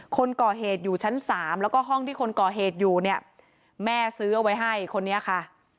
คนก่อเหตุอยู่ชั้น๓แล้วก็ห้องที่คนก่อเหตุอยู่เนี่ยแม่ซื้อเอาไว้ให้คนนี้ค่ะ